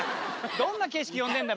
どんな景色呼んでんだ